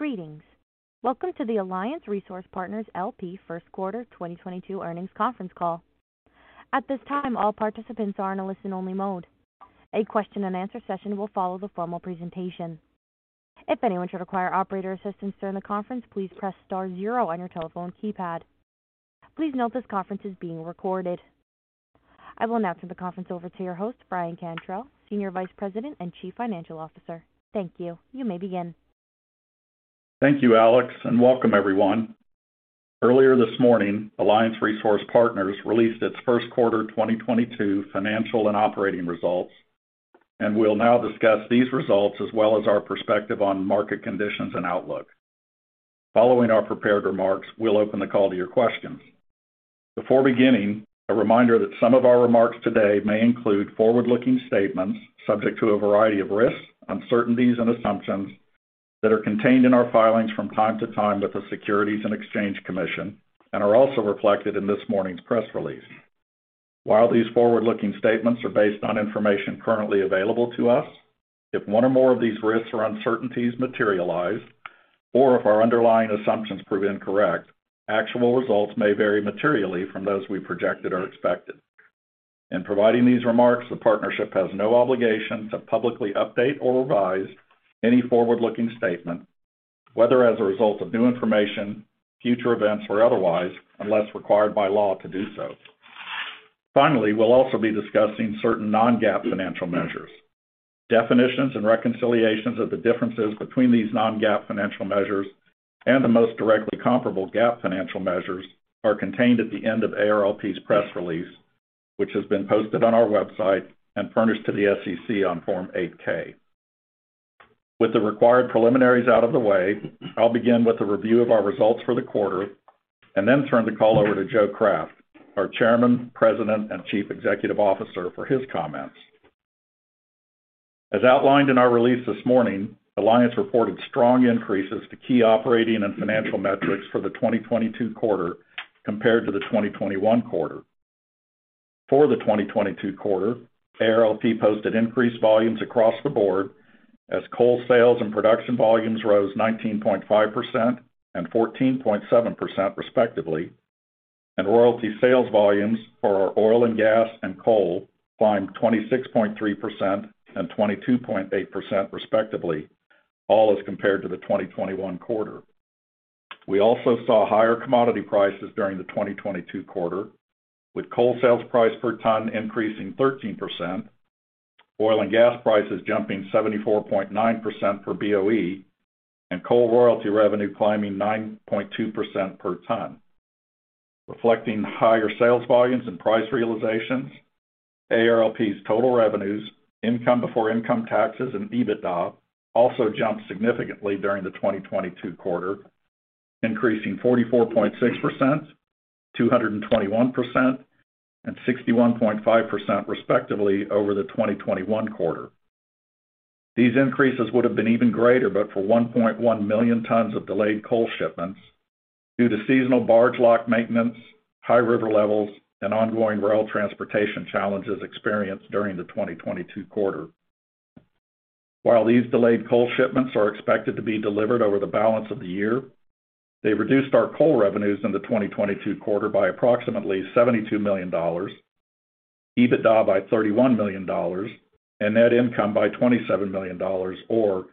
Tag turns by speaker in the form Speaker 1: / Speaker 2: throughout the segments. Speaker 1: Greetings. Welcome to the Alliance Resource Partners, L.P. First Quarter 2022 earnings conference call. At this time, all participants are in a listen-only mode. A question-and-answer session will follow the formal presentation. If anyone should require operator assistance during the conference, please press star zero on your telephone keypad. Please note this conference is being recorded. I will now turn the conference over to your host, Brian Cantrell, Senior Vice President and Chief Financial Officer. Thank you. You may begin.
Speaker 2: Thank you, Alex, and welcome everyone. Earlier this morning, Alliance Resource Partners released its first quarter 2022 financial and operating results, and we'll now discuss these results as well as our perspective on market conditions and outlook. Following our prepared remarks, we'll open the call to your questions. Before beginning, a reminder that some of our remarks today may include forward-looking statements subject to a variety of risks, uncertainties, and assumptions that are contained in our filings from time to time with the Securities and Exchange Commission and are also reflected in this morning's press release. While these forward-looking statements are based on information currently available to us, if one or more of these risks or uncertainties materialize, or if our underlying assumptions prove incorrect, actual results may vary materially from those we projected or expected. In providing these remarks, the partnership has no obligation to publicly update or revise any forward-looking statement, whether as a result of new information, future events, or otherwise, unless required by law to do so. Finally, we'll also be discussing certain non-GAAP financial measures. Definitions and reconciliations of the differences between these non-GAAP financial measures and the most directly comparable GAAP financial measures are contained at the end of ARLP's press release, which has been posted on our website and furnished to the SEC on Form 8-K. With the required preliminaries out of the way, I'll begin with a review of our results for the quarter and then turn the call over to Joe Craft, our Chairman, President, and Chief Executive Officer, for his comments. As outlined in our release this morning, Alliance reported strong increases to key operating and financial metrics for the 2022 quarter compared to the 2021 quarter. For the 2022 quarter, ARLP posted increased volumes across the board as coal sales and production volumes rose 19.5% and 14.7%, respectively, and royalty sales volumes for our oil and gas and coal climbed 26.3% and 22.8%, respectively, all as compared to the 2021 quarter. We also saw higher commodity prices during the 2022 quarter, with coal sales price per ton increasing 13%, oil and gas prices jumping 74.9% per BOE, and coal royalty revenue climbing 9.2% per ton. Reflecting higher sales volumes and price realizations, ARLP's total revenues, income before income taxes and EBITDA also jumped significantly during the 2022 quarter, increasing 44.6%, 221%, and 61.5%, respectively, over the 2021 quarter. These increases would have been even greater, but for 1.1 million tons of delayed coal shipments due to seasonal barge lock maintenance, high river levels, and ongoing rail transportation challenges experienced during the 2022 quarter. While these delayed coal shipments are expected to be delivered over the balance of the year, they reduced our coal revenues in the 2022 quarter by approximately $72 million, EBITDA by $31 million, and net income by $27 million or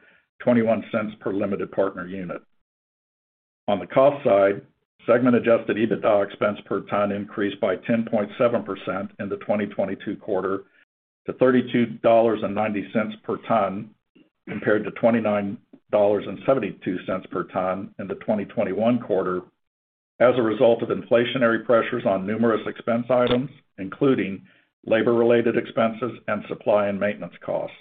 Speaker 2: $0.21 per limited partner unit. On the cost side, segment adjusted EBITDA expense per ton increased by 10.7% in the 2022 quarter to $32.90 per ton, compared to $29.72 per ton in the 2021 quarter as a result of inflationary pressures on numerous expense items, including labor-related expenses and supply and maintenance costs.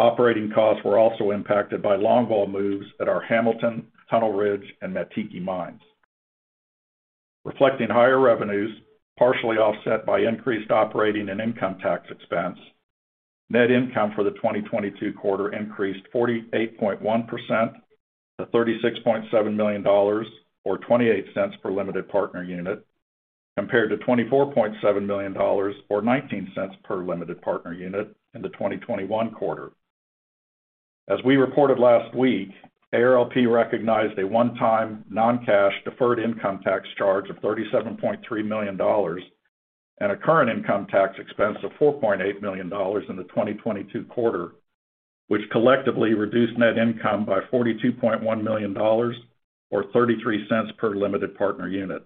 Speaker 2: Operating costs were also impacted by longwall moves at our Hamilton, Tunnel Ridge, and Mettiki mines. Reflecting higher revenues, partially offset by increased operating and income tax expense, net income for the 2022 quarter increased 48.1% to $36.7 million, or 28 cents per limited partner unit, compared to $24.7 million or 19 cents per limited partner unit in the 2021 quarter. As we reported last week, ARLP recognized a one-time non-cash deferred income tax charge of $37.3 million and a current income tax expense of $4.8 million in the 2022 quarter, which collectively reduced net income by $42.1 million or 33 cents per limited partner unit.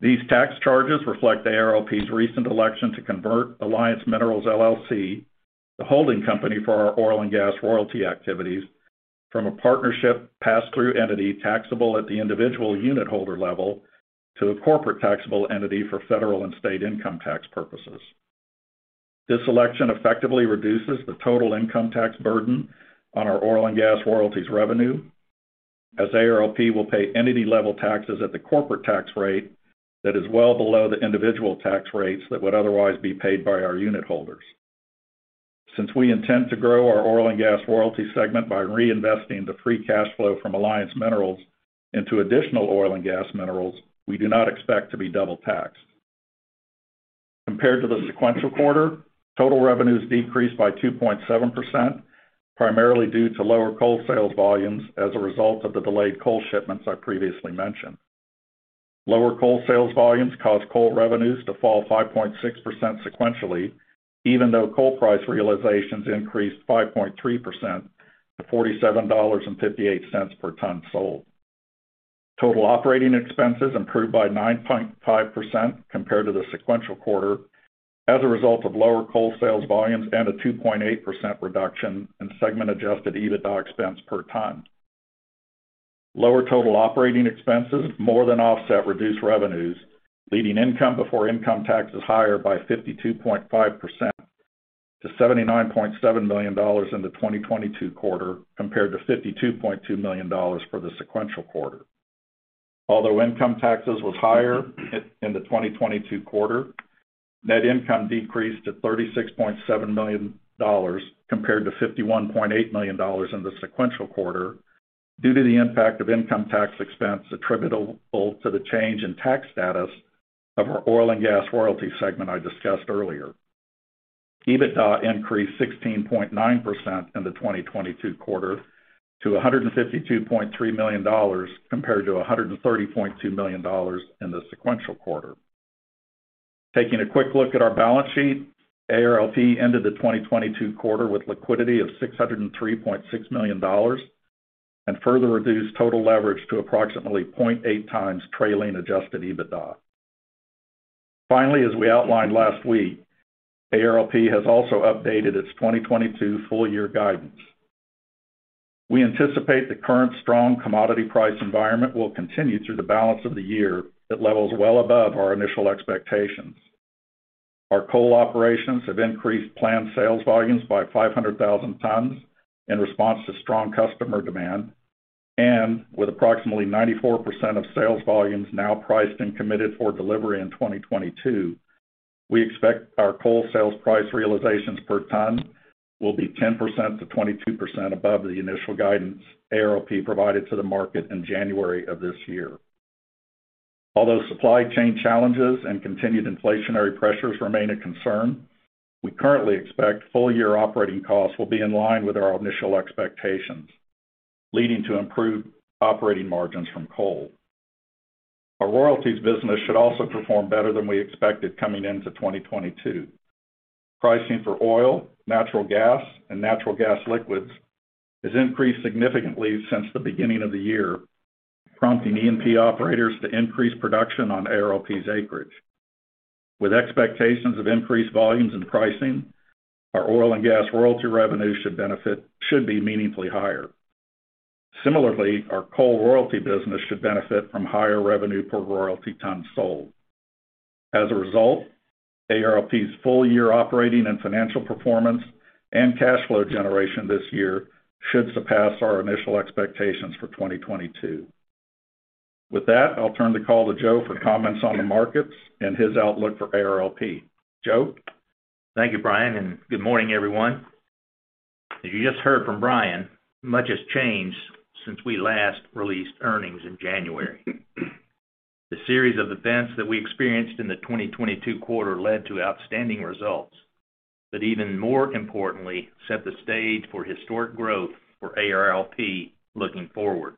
Speaker 2: These tax charges reflect ARLP's recent election to convert Alliance Minerals, LLC, the holding company for our oil and gas royalty activities, from a partnership pass-through entity taxable at the individual unit holder level to a corporate taxable entity for federal and state income tax purposes. This election effectively reduces the total income tax burden on our oil and gas royalties revenue, as ARLP will pay entity-level taxes at the corporate tax rate that is well below the individual tax rates that would otherwise be paid by our unit holders. Since we intend to grow our oil and gas royalty segment by reinvesting the free cash flow from Alliance Minerals into additional oil and gas minerals, we do not expect to be double taxed. Compared to the sequential quarter, total revenues decreased by 2.7%, primarily due to lower coal sales volumes as a result of the delayed coal shipments I previously mentioned. Lower coal sales volumes caused coal revenues to fall 5.6% sequentially, even though coal price realizations increased 5.3% to $47.58 per ton sold. Total operating expenses improved by 9.5% compared to the sequential quarter as a result of lower coal sales volumes and a 2.8% reduction in segment adjusted EBITDA expense per ton. Lower total operating expenses more than offset reduced revenues, leading income before income tax is higher by 52.5% to $79.7 million in the 2022 quarter compared to $52.2 million for the sequential quarter. Although income taxes was higher in the 2022 quarter, net income decreased to $36.7 million compared to $51.8 million in the sequential quarter due to the impact of income tax expense attributable to the change in tax status of our oil and gas royalty segment I discussed earlier. EBITDA increased 16.9% in the 2022 quarter to $152.3 million compared to $130.2 million in the sequential quarter. Taking a quick look at our balance sheet, ARLP ended the 2022 quarter with liquidity of $603.6 million and further reduced total leverage to approximately 0.8 times trailing adjusted EBITDA. Finally, as we outlined last week, ARLP has also updated its 2022 full year guidance. We anticipate the current strong commodity price environment will continue through the balance of the year at levels well above our initial expectations. Our coal operations have increased planned sales volumes by 500,000 tons in response to strong customer demand. With approximately 94% of sales volumes now priced and committed for delivery in 2022, we expect our coal sales price realizations per ton will be 10%-22% above the initial guidance ARLP provided to the market in January of this year. Although supply chain challenges and continued inflationary pressures remain a concern, we currently expect full year operating costs will be in line with our initial expectations, leading to improved operating margins from coal. Our royalties business should also perform better than we expected coming into 2022. Pricing for oil, natural gas, and natural gas liquids has increased significantly since the beginning of the year, prompting E&P operators to increase production on ARLP's acreage. With expectations of increased volumes and pricing, our oil and gas royalty revenue should be meaningfully higher. Similarly, our coal royalty business should benefit from higher revenue per royalty ton sold. As a result, ARLP's full year operating and financial performance and cash flow generation this year should surpass our initial expectations for 2022. With that, I'll turn the call to Joe for comments on the markets and his outlook for ARLP. Joe?
Speaker 3: Thank you, Brian, and good morning, everyone. As you just heard from Brian, much has changed since we last released earnings in January. The series of events that we experienced in the 2022 quarter led to outstanding results, but even more importantly, set the stage for historic growth for ARLP looking forward.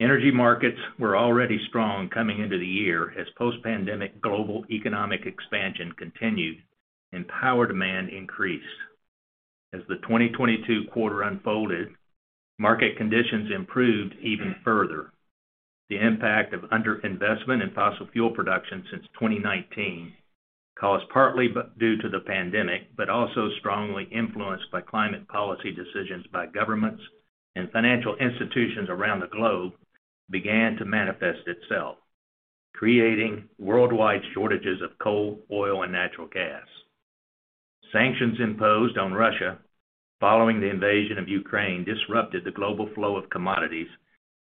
Speaker 3: Energy markets were already strong coming into the year as post-pandemic global economic expansion continued and power demand increased. As the 2022 quarter unfolded, market conditions improved even further. The impact of under-investment in fossil fuel production since 2019, caused partly due to the pandemic, but also strongly influenced by climate policy decisions by governments and financial institutions around the globe, began to manifest itself, creating worldwide shortages of coal, oil, and natural gas. Sanctions imposed on Russia following the invasion of Ukraine disrupted the global flow of commodities,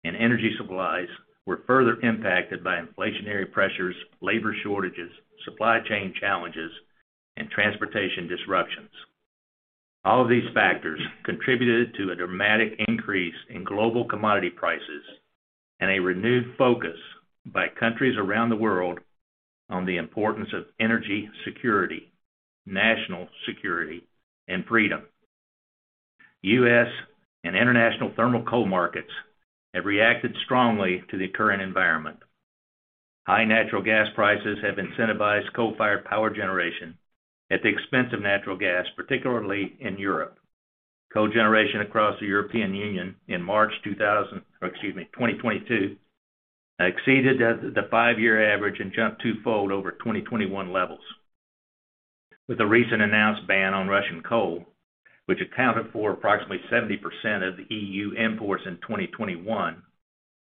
Speaker 3: and energy supplies were further impacted by inflationary pressures, labor shortages, supply chain challenges, and transportation disruptions. All of these factors contributed to a dramatic increase in global commodity prices and a renewed focus by countries around the world on the importance of energy security, national security, and freedom. U.S. and international thermal coal markets have reacted strongly to the current environment. High natural gas prices have incentivized coal-fired power generation at the expense of natural gas, particularly in Europe. Coal generation across the European Union in March 2022 exceeded the five-year average and jumped twofold over 2021 levels. With the recent announced ban on Russian coal, which accounted for approximately 70% of E.U. imports in 2021,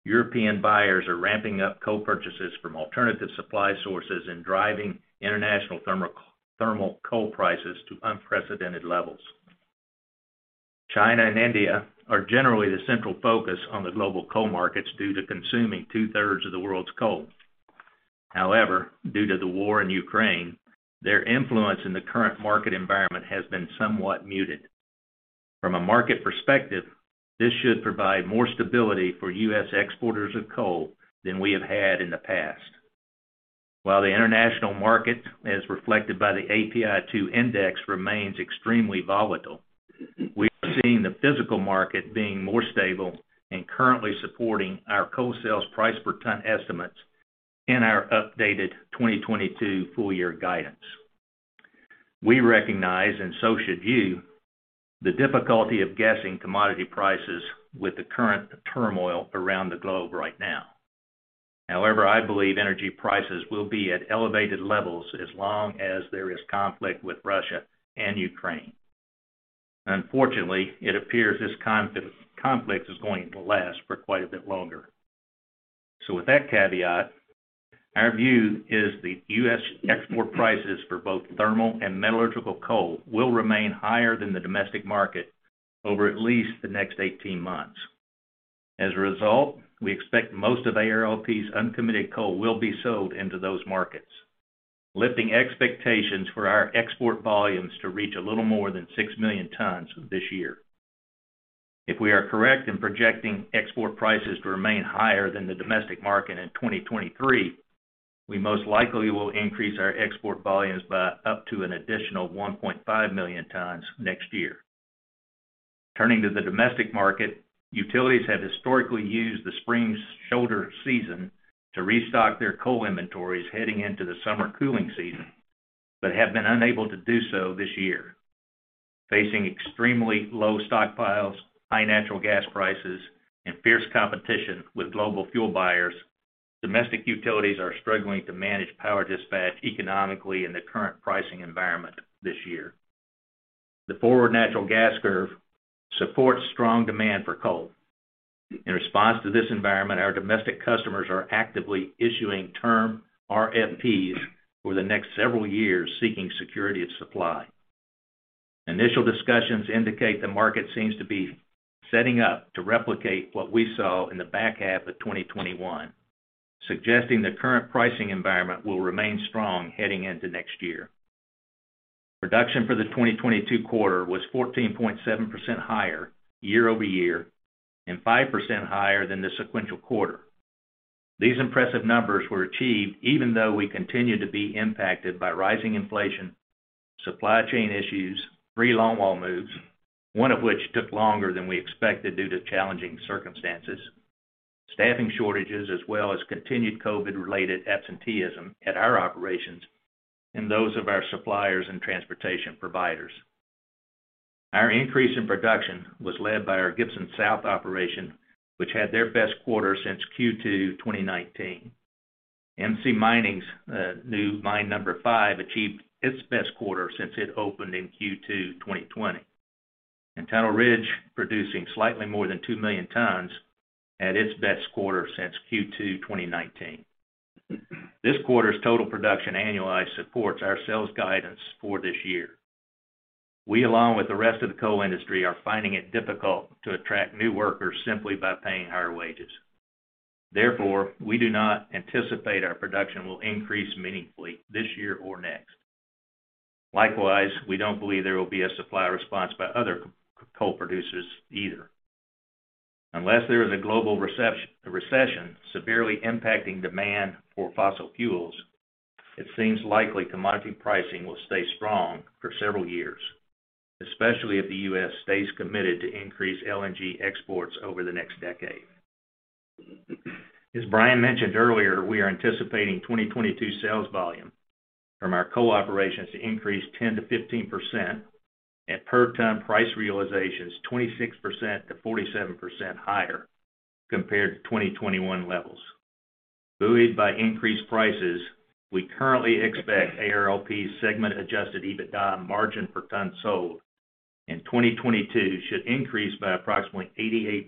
Speaker 3: European buyers are ramping up coal purchases from alternative supply sources and driving international thermal coal prices to unprecedented levels. China and India are generally the central focus on the global coal markets due to consuming 2/3 of the world's coal. However, due to the war in Ukraine, their influence in the current market environment has been somewhat muted. From a market perspective, this should provide more stability for U.S. exporters of coal than we have had in the past. While the international market, as reflected by the API2 index, remains extremely volatile, we are seeing the physical market being more stable and currently supporting our coal sales price per ton estimates in our updated 2022 full year guidance. We recognize, and so should you, the difficulty of guessing commodity prices with the current turmoil around the globe right now. However, I believe energy prices will be at elevated levels as long as there is conflict with Russia and Ukraine. Unfortunately, it appears this conflict is going to last for quite a bit longer. With that caveat, our view is the U.S. export prices for both thermal and metallurgical coal will remain higher than the domestic market over at least the next 18 months. As a result, we expect most of ARLP's uncommitted coal will be sold into those markets, lifting expectations for our export volumes to reach a little more than six million tons this year. If we are correct in projecting export prices to remain higher than the domestic market in 2023, we most likely will increase our export volumes by up to an additional 1.5 million tons next year. Turning to the domestic market, utilities have historically used the spring shoulder season to restock their coal inventories heading into the summer cooling season, but have been unable to do so this year. Facing extremely low stockpiles, high natural gas prices, and fierce competition with global fuel buyers, domestic utilities are struggling to manage power dispatch economically in the current pricing environment this year. The forward natural gas curve supports strong demand for coal. In response to this environment, our domestic customers are actively issuing term RFPs over the next several years seeking security of supply. Initial discussions indicate the market seems to be setting up to replicate what we saw in the back half of 2021, suggesting the current pricing environment will remain strong heading into next year. Production for the 2022 quarter was 14.7% higher year-over-year and 5% higher than the sequential quarter. These impressive numbers were achieved even though we continued to be impacted by rising inflation, supply chain issues, three longwall moves, one of which took longer than we expected due to challenging circumstances, staffing shortages, as well as continued COVID-related absenteeism at our operations and those of our suppliers and transportation providers. Our increase in production was led by our Gibson South operation, which had their best quarter since Q2 2019. MC Mining's new mine number five achieved its best quarter since it opened in Q2 2020. Tunnel Ridge, producing slightly more than 2 million tons, had its best quarter since Q2 2019. This quarter's total production annualized supports our sales guidance for this year. We, along with the rest of the coal industry, are finding it difficult to attract new workers simply by paying higher wages. Therefore, we do not anticipate our production will increase meaningfully this year or next. Likewise, we don't believe there will be a supply response by other coal producers either. Unless there is a global recession severely impacting demand for fossil fuels, it seems likely commodity pricing will stay strong for several years, especially if the U.S. stays committed to increase LNG exports over the next decade. As Brian mentioned earlier, we are anticipating 2022 sales volume from our coal operations to increase 10%-15% and per ton price realizations 26%-47% higher compared to 2021 levels. Buoyed by increased prices, we currently expect ARLP's segment adjusted EBITDA margin per ton sold in 2022 should increase by approximately 88%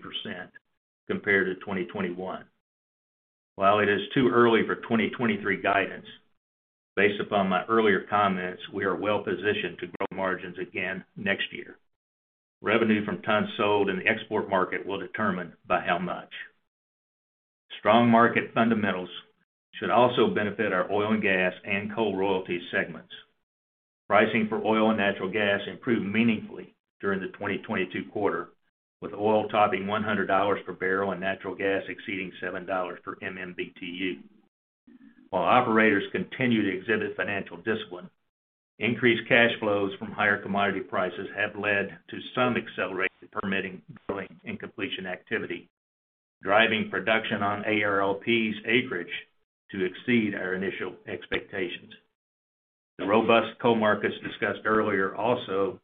Speaker 3: compared to 2021. While it is too early for 2023 guidance, based upon my earlier comments, we are well-positioned to grow margins again next year. Revenue from tons sold in the export market will determine by how much. Strong market fundamentals should also benefit our oil and gas and coal royalty segments. Pricing for oil and natural gas improved meaningfully during the 2022 quarter, with oil topping $100 per barrel and natural gas exceeding $7 per MMBTU. While operators continue to exhibit financial discipline, increased cash flows from higher commodity prices have led to some accelerated permitting, drilling, and completion activity, driving production on ARLP's acreage to exceed our initial expectations. The robust coal markets discussed earlier also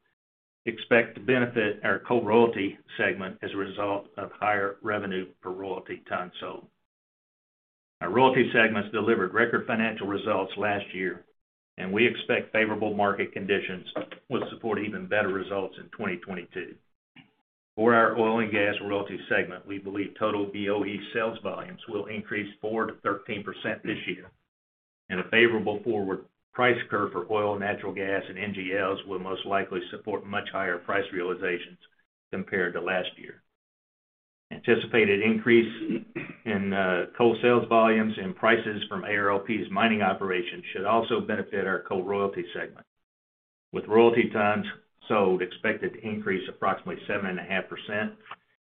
Speaker 3: expect to benefit our coal royalty segment as a result of higher revenue per royalty ton sold. Our royalty segments delivered record financial results last year, and we expect favorable market conditions will support even better results in 2022. For our oil and gas royalty segment, we believe total BOE sales volumes will increase 4%-13% this year, and a favorable forward price curve for oil, natural gas and NGLs will most likely support much higher price realizations compared to last year. Anticipated increase in coal sales volumes and prices from ARLP's mining operations should also benefit our coal royalty segment, with royalty tons sold expected to increase approximately 7.5%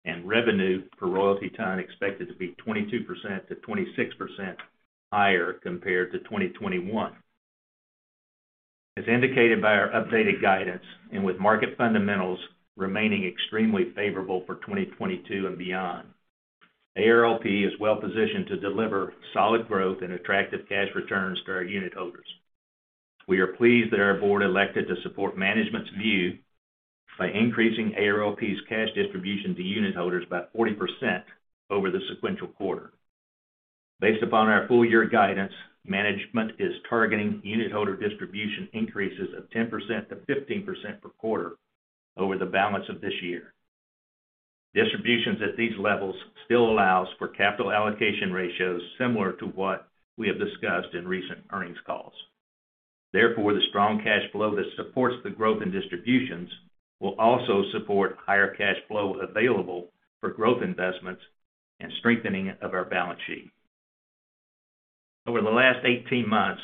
Speaker 3: and revenue per royalty ton expected to be 22%-26% higher compared to 2021. As indicated by our updated guidance, and with market fundamentals remaining extremely favorable for 2022 and beyond, ARLP is well-positioned to deliver solid growth and attractive cash returns to our unitholders. We are pleased that our board elected to support management's view by increasing ARLP's cash distribution to unitholders by 40% over the sequential quarter. Based upon our full year guidance, management is targeting unitholder distribution increases of 10%-15% per quarter over the balance of this year. Distributions at these levels still allows for capital allocation ratios similar to what we have discussed in recent earnings calls. Therefore, the strong cash flow that supports the growth in distributions will also support higher cash flow available for growth investments and strengthening of our balance sheet. Over the last 18 months,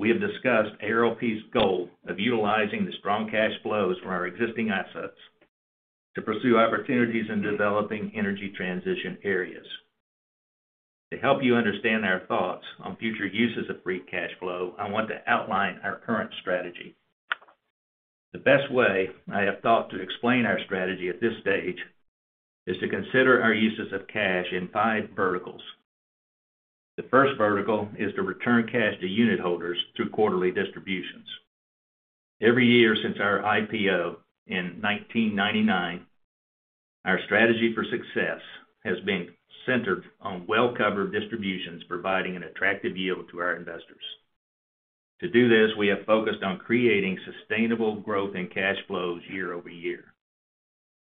Speaker 3: we have discussed ARLP's goal of utilizing the strong cash flows from our existing assets to pursue opportunities in developing energy transition areas. To help you understand our thoughts on future uses of free cash flow, I want to outline our current strategy. The best way I have thought to explain our strategy at this stage is to consider our uses of cash in five verticals. The first vertical is to return cash to unitholders through quarterly distributions. Every year since our IPO in 1999, our strategy for success has been centered on well-covered distributions providing an attractive yield to our investors. To do this, we have focused on creating sustainable growth in cash flows year-over-year.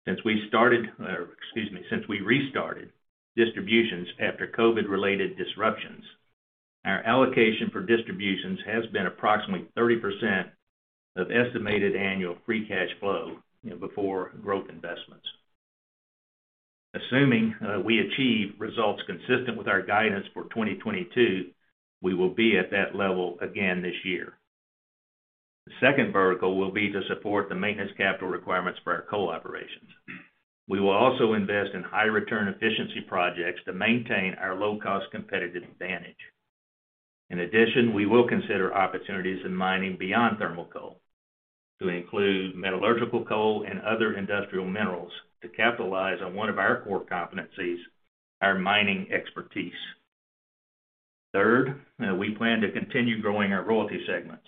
Speaker 3: Since we restarted distributions after COVID-related disruptions, our allocation for distributions has been approximately 30% of estimated annual free cash flow before growth investments. Assuming we achieve results consistent with our guidance for 2022, we will be at that level again this year. The second vertical will be to support the maintenance capital requirements for our coal operations. We will also invest in high return efficiency projects to maintain our low-cost competitive advantage. In addition, we will consider opportunities in mining beyond thermal coal to include metallurgical coal and other industrial minerals to capitalize on one of our core competencies, our mining expertise. Third, we plan to continue growing our royalty segments,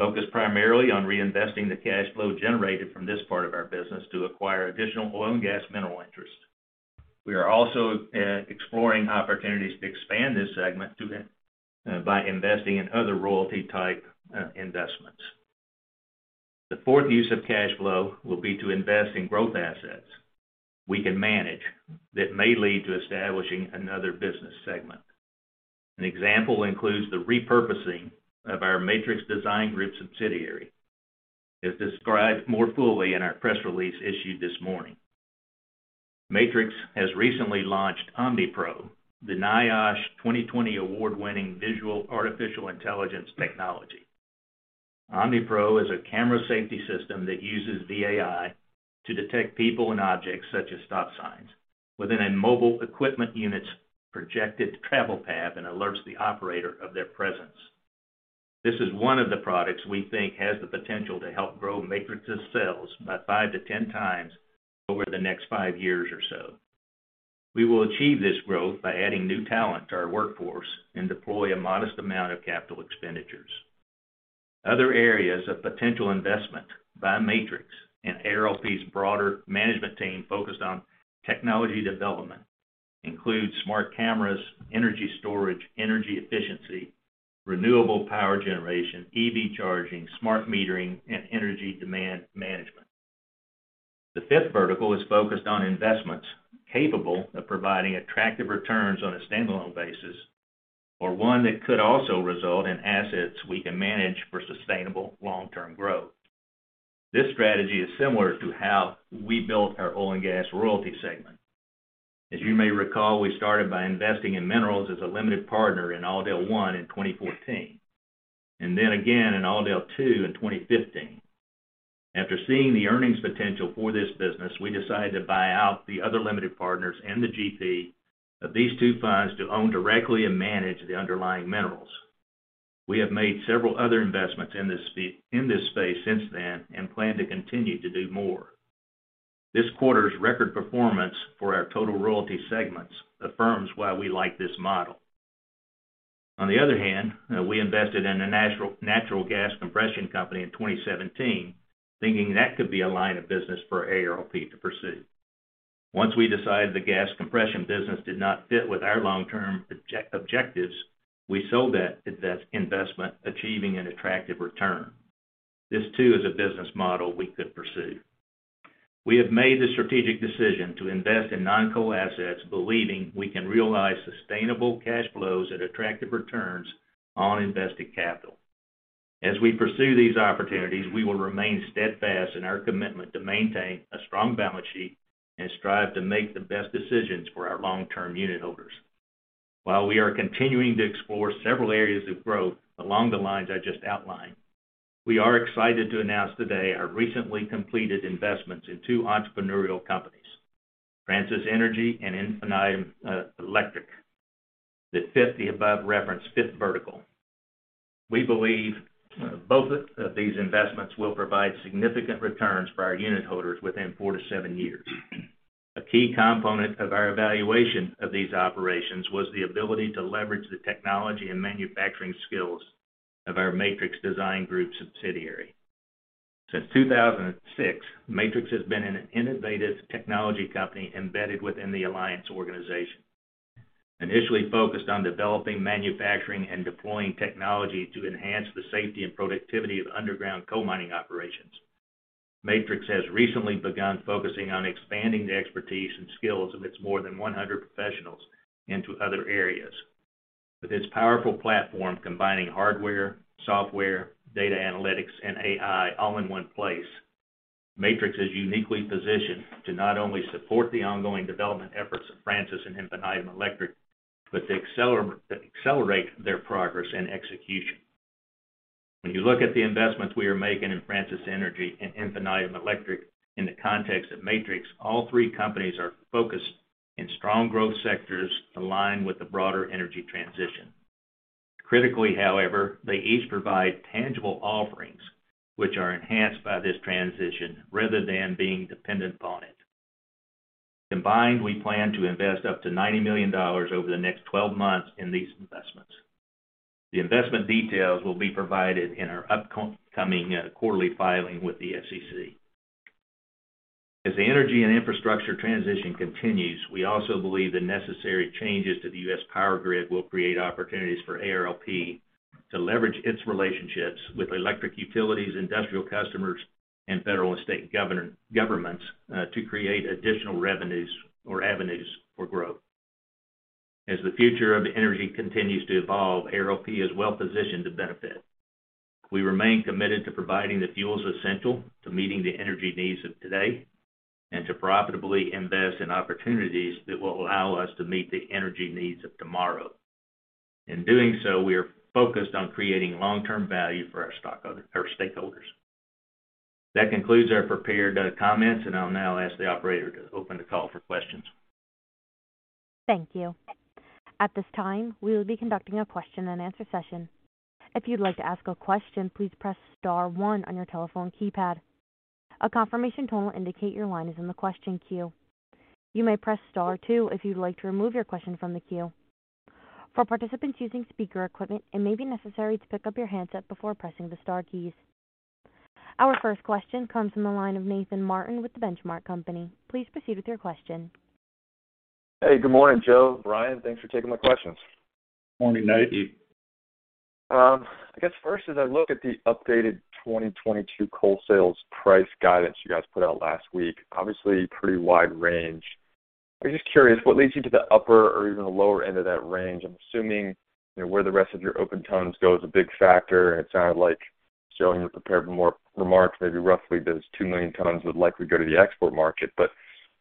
Speaker 3: focused primarily on reinvesting the cash flow generated from this part of our business to acquire additional oil and gas mineral interest. We are also exploring opportunities to expand this segment by investing in other royalty type investments. The fourth use of cash flow will be to invest in growth assets we can manage that may lead to establishing another business segment. An example includes the repurposing of our Matrix Design Group subsidiary, as described more fully in our press release issued this morning. Matrix has recently launched OmniPro, the NIOSH 2020 award-winning Visual AI technology. OmniPro is a camera safety system that uses VAI to detect people and objects, such as stop signs, within a mobile equipment unit's projected travel path and alerts the operator of their presence. This is one of the products we think has the potential to help grow Matrix's sales by 5-10 times over the next five years or so. We will achieve this growth by adding new talent to our workforce and deploy a modest amount of capital expenditures. Other areas of potential investment by Matrix and ARLP's broader management team focused on technology development include smart cameras, energy storage, energy efficiency, renewable power generation, EV charging, smart metering, and energy demand management. The fifth vertical is focused on investments capable of providing attractive returns on a standalone basis or one that could also result in assets we can manage for sustainable long-term growth. This strategy is similar to how we built our oil and gas royalty segment. As you may recall, we started by investing in minerals as a limited partner in AllDale One in 2014, and then again in AllDale Two in 2015. After seeing the earnings potential for this business, we decided to buy out the other limited partners and the GP of these two funds to own directly and manage the underlying minerals. We have made several other investments in this space since then and plan to continue to do more. This quarter's record performance for our total royalty segments affirms why we like this model. On the other hand, we invested in a natural gas compression company in 2017, thinking that could be a line of business for ARLP to pursue. Once we decided the gas compression business did not fit with our long-term objectives, we sold that investment, achieving an attractive return. This too is a business model we could pursue. We have made the strategic decision to invest in non-coal assets, believing we can realize sustainable cash flows at attractive returns on invested capital. As we pursue these opportunities, we will remain steadfast in our commitment to maintain a strong balance sheet and strive to make the best decisions for our long-term unitholders. While we are continuing to explore several areas of growth along the lines I just outlined, we are excited to announce today our recently completed investments in two entrepreneurial companies, Francis Energy and Infinitum Electric, that fit the above-referenced fifth vertical. We believe both of these investments will provide significant returns for our unitholders within four-seven years. A key component of our evaluation of these operations was the ability to leverage the technology and manufacturing skills of our Matrix Design Group subsidiary. Since 2006, Matrix has been an innovative technology company embedded within the Alliance organization. Initially focused on developing, manufacturing, and deploying technology to enhance the safety and productivity of underground coal mining operations, Matrix has recently begun focusing on expanding the expertise and skills of its more than 100 professionals into other areas. With its powerful platform combining hardware, software, data analytics, and AI all in one place, Matrix is uniquely positioned to not only support the ongoing development efforts of Francis Energy and Infinitum Electric, but to accelerate their progress and execution. When you look at the investments we are making in Francis Energy and Infinitum Electric in the context of Matrix, all three companies are focused in strong growth sectors aligned with the broader energy transition. Critically, however, they each provide tangible offerings which are enhanced by this transition rather than being dependent upon it. Combined, we plan to invest up to $90 million over the next 12 months in these investments. The investment details will be provided in our upcoming quarterly filing with the SEC. As the energy and infrastructure transition continues, we also believe the necessary changes to the U.S. power grid will create opportunities for ARLP to leverage its relationships with electric utilities, industrial customers, and federal and state governments, to create additional revenues or avenues for growth. As the future of energy continues to evolve, ARLP is well positioned to benefit. We remain committed to providing the fuels essential to meeting the energy needs of today and to profitably invest in opportunities that will allow us to meet the energy needs of tomorrow. In doing so, we are focused on creating long-term value for our stakeholders. That concludes our prepared comments, and I'll now ask the operator to open the call for questions.
Speaker 1: Thank you. At this time, we will be conducting a question and answer session. If you'd like to ask a question, please press star one on your telephone keypad. A confirmation tone will indicate your line is in the question queue. You may press star two if you'd like to remove your question from the queue. For participants using speaker equipment, it may be necessary to pick up your handset before pressing the star keys. Our first question comes from the line of Nathan Martin with The Benchmark Company. Please proceed with your question.
Speaker 4: Hey, good morning, Joe, Brian. Thanks for taking my questions.
Speaker 3: Morning, Nathan.
Speaker 4: I guess first, as I look at the updated 2022 coal sales price guidance you guys put out last week, obviously pretty wide range. I'm just curious what leads you to the upper or even the lower end of that range? I'm assuming where the rest of your open tons goes a big factor. It sounded like showing the prepared remarks, maybe roughly those 2 million tons would likely go to the export market.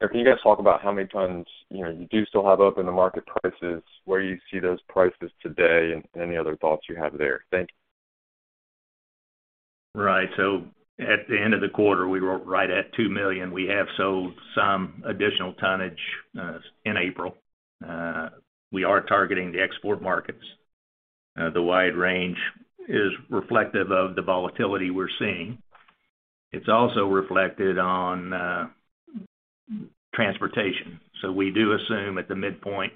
Speaker 4: Can you guys talk about how many tons, you know, you do still have open to market prices, where you see those prices today and any other thoughts you have there? Thank you.
Speaker 3: Right. At the end of the quarter, we were right at two million. We have sold some additional tonnage in April. We are targeting the export markets. The wide range is reflective of the volatility we're seeing. It's also reflected on transportation. We do assume at the midpoint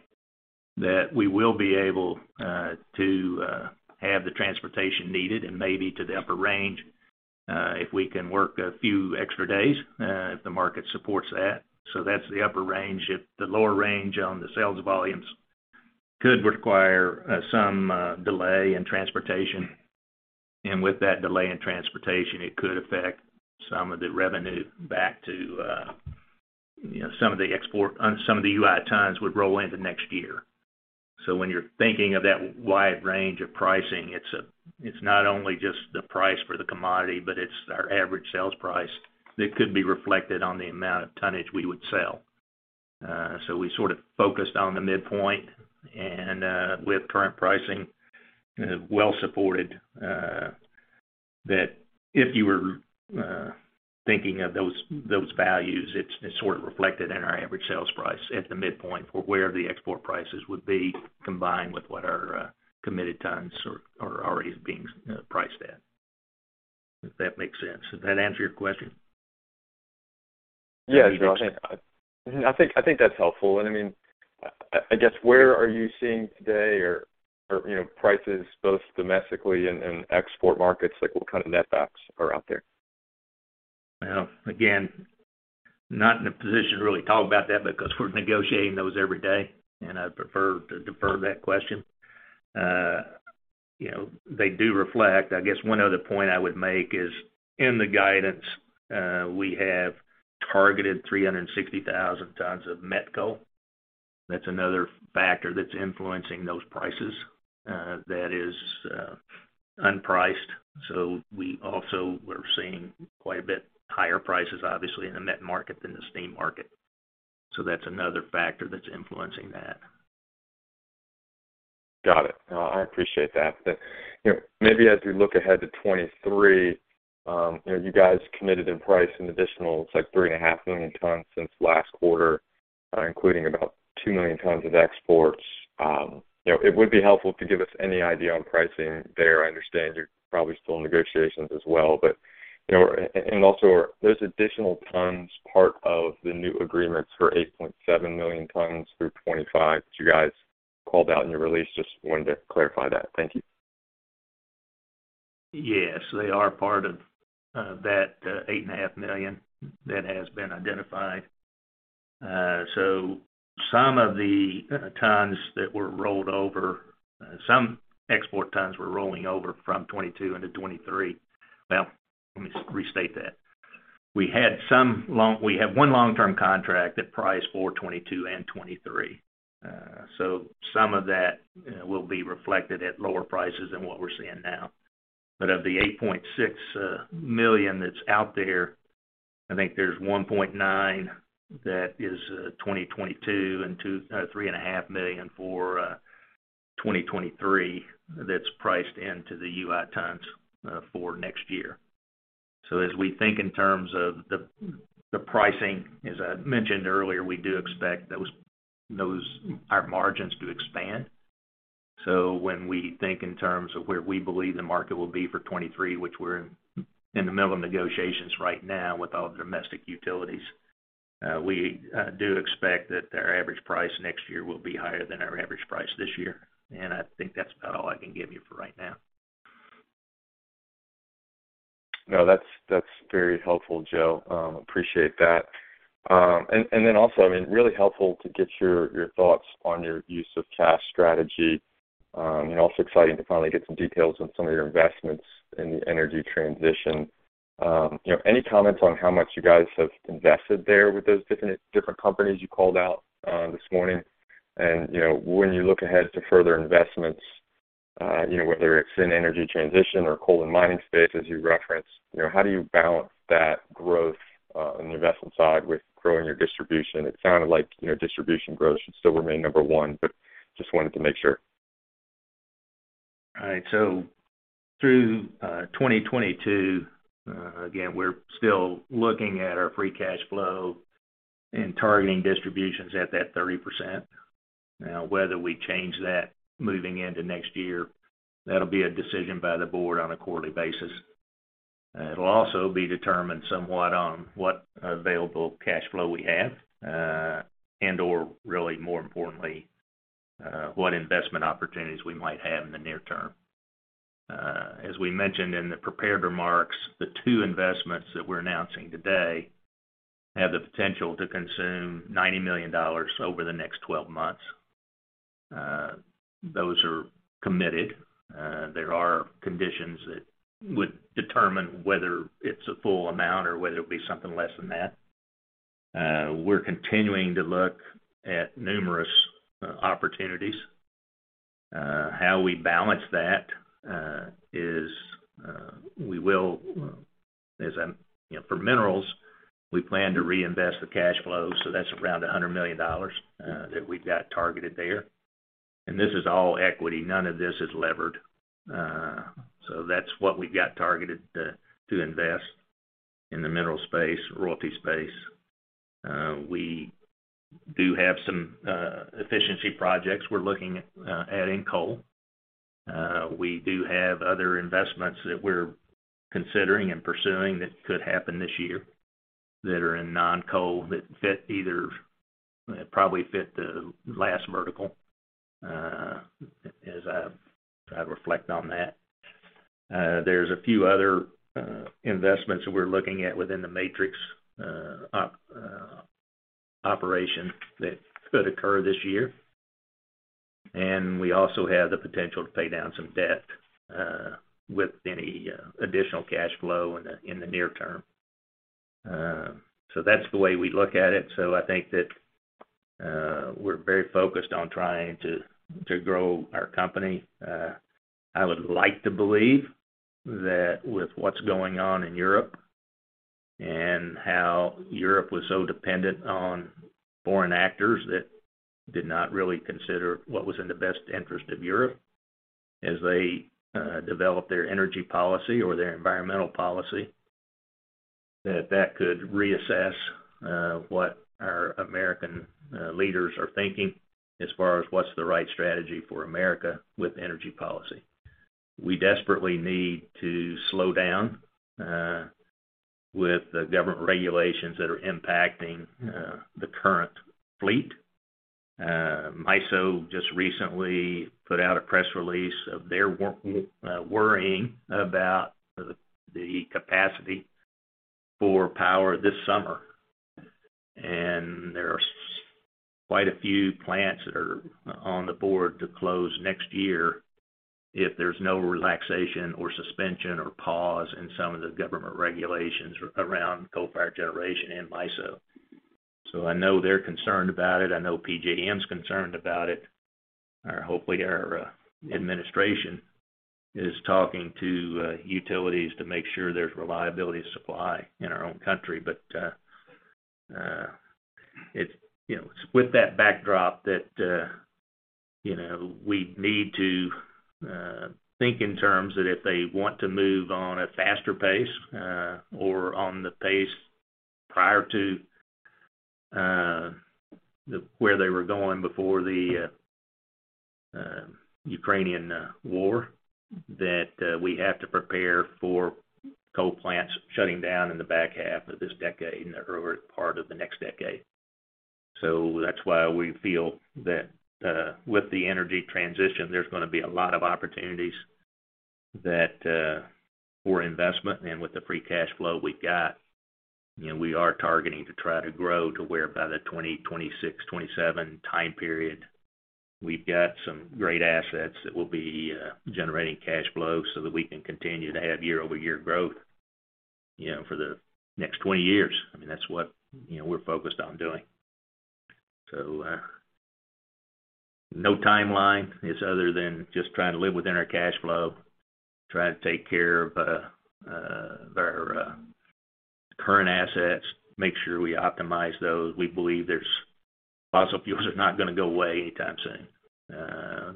Speaker 3: that we will be able to have the transportation needed and maybe to the upper range if we can work a few extra days if the market supports that. That's the upper range. At the lower range on the sales volumes could require some delay in transportation. With that delay in transportation, it could affect some of the revenue back to you know some of the unpriced tons would roll into next year. When you're thinking of that wide range of pricing, it's not only just the price for the commodity, but it's our average sales price that could be reflected on the amount of tonnage we would sell. We sort of focused on the midpoint and, with current pricing, well supported, that if you were thinking of those values, it's sort of reflected in our average sales price at the midpoint for where the export prices would be combined with what our committed tons are already being, you know, priced at. If that makes sense. Does that answer your question?
Speaker 4: Yes. No, I think that's helpful. I mean, I guess where are you seeing today or, you know, prices both domestically and export markets, like what kind of net backs are out there?
Speaker 3: Well, again, not in a position to really talk about that because we're negotiating those every day, and I'd prefer to defer that question. You know, they do reflect. I guess one other point I would make is in the guidance, we have targeted 360,000 tons of met coal. That's another factor that's influencing those prices, that is, unpriced. We also are seeing quite a bit higher prices, obviously, in the met market than the steam market. That's another factor that's influencing that.
Speaker 4: Got it. No, I appreciate that. You know, maybe as we look ahead to 2023, you know, you guys committed in price an additional, it's like 3.5 million tons since last quarter, including about 2 million tons of exports. You know, it would be helpful to give us any idea on pricing there. I understand you're probably still in negotiations as well. You know, also are those additional tons part of the new agreements for 8.7 million tons through 2025 that you guys called out in your release? Just wanted to clarify that. Thank you.
Speaker 3: Yes, they are part of that 8.5 million that has been identified. Some export tons were rolling over from 2022 into 2023. Well, let me restate that. We have one long-term contract that priced for 2022 and 2023. Some of that, you know, will be reflected at lower prices than what we're seeing now. Of the 8.6 million that's out there, I think there's 1.9 that is 2022, and 3.5 million for 2023 that's priced into the unpriced tons for next year. As we think in terms of the pricing, as I mentioned earlier, we do expect our margins to expand. When we think in terms of where we believe the market will be for 2023, which we're in the middle of negotiations right now with all the domestic utilities, we do expect that our average price next year will be higher than our average price this year. I think that's about all I can give you for right now.
Speaker 4: No, that's very helpful, Joe. Appreciate that. Then also, I mean, really helpful to get your thoughts on your use of cash strategy, and also exciting to finally get some details on some of your investments in the energy transition. You know, any comments on how much you guys have invested there with those different companies you called out this morning? You know, when you look ahead to further investments, you know, whether it's in energy transition or coal and mining space as you referenced, you know, how do you balance that growth on the investment side with growing your distribution? It sounded like, you know, distribution growth should still remain number one, but just wanted to make sure.
Speaker 3: All right. Through 2022, again, we're still looking at our free cash flow and targeting distributions at that 30%. Now, whether we change that moving into next year, that'll be a decision by the board on a quarterly basis. It'll also be determined somewhat on what available cash flow we have, and/or really more importantly, what investment opportunities we might have in the near term. As we mentioned in the prepared remarks, the two investments that we're announcing today have the potential to consume $90 million over the next twelve months. Those are committed. There are conditions that would determine whether it's a full amount or whether it'll be something less than that. We're continuing to look at numerous opportunities. How we balance that is we will. You know, for minerals, we plan to reinvest the cash flow, so that's around $100 million that we've got targeted there. This is all equity. None of this is levered. That's what we've got targeted to invest in the mineral space, royalty space. We do have some efficiency projects we're looking at adding coal. We do have other investments that we're considering and pursuing that could happen this year that are in non-coal that probably fit the last vertical, as I reflect on that. There's a few other investments that we're looking at within the Matrix operation that could occur this year. We also have the potential to pay down some debt with any additional cash flow in the near term. That's the way we look at it. I think that we're very focused on trying to grow our company. I would like to believe that with what's going on in Europe and how Europe was so dependent on foreign actors that did not really consider what was in the best interest of Europe as they developed their energy policy or their environmental policy, that could reassess what our American leaders are thinking as far as what's the right strategy for America with energy policy. We desperately need to slow down with the government regulations that are impacting the current fleet. MISO just recently put out a press release worrying about the capacity for power this summer. There are quite a few plants that are on the board to close next year. If there's no relaxation or suspension or pause in some of the government regulations around coal-fired generation in MISO, I know they're concerned about it. I know PJM is concerned about it. Hopefully our administration is talking to utilities to make sure there's reliability of supply in our own country. It's, you know, it's with that backdrop that, you know, we need to think in terms that if they want to move on a faster pace, or on the pace prior to where they were going before the Ukrainian war, that we have to prepare for coal plants shutting down in the back half of this decade, in the early part of the next decade. That's why we feel that, with the energy transition, there's gonna be a lot of opportunities that, for investment. With the free cash flow we've got, you know, we are targeting to try to grow to where by the 2026, 2027 time period, we've got some great assets that will be, generating cash flow so that we can continue to have year-over-year growth, you know, for the next 20 years. I mean, that's what, you know, we're focused on doing. No timeline is other than just trying to live within our cash flow, trying to take care of our current assets, make sure we optimize those. We believe there's fossil fuels are not gonna go away anytime soon.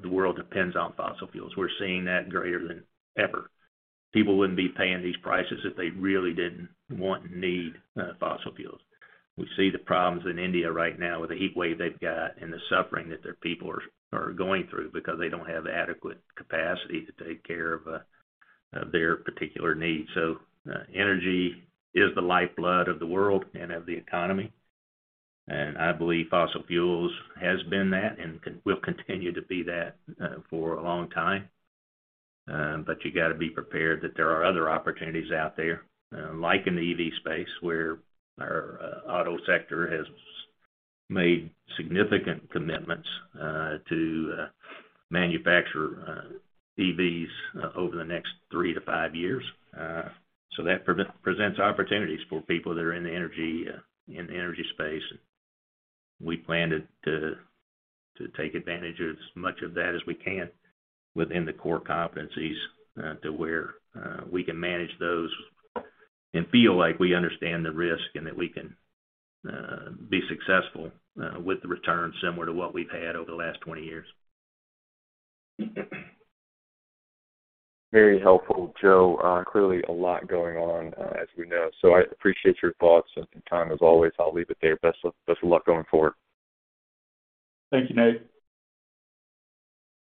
Speaker 3: The world depends on fossil fuels. We're seeing that greater than ever. People wouldn't be paying these prices if they really didn't want and need fossil fuels. We see the problems in India right now with the heat wave they've got and the suffering that their people are going through because they don't have adequate capacity to take care of their particular needs. Energy is the lifeblood of the world and of the economy, and I believe fossil fuels has been that and will continue to be that for a long time. You gotta be prepared that there are other opportunities out there like in the EV space, where our auto sector has made significant commitments to manufacture EVs over the next 3-5 years. That presents opportunities for people that are in the energy space. We plan to take advantage of as much of that as we can within the core competencies to where we can manage those and feel like we understand the risk and that we can be successful with the returns similar to what we've had over the last 20 years.
Speaker 4: Very helpful, Joe. Clearly a lot going on, as we know. I appreciate your thoughts and time as always. I'll leave it there. Best of luck going forward.
Speaker 3: Thank you, Nate.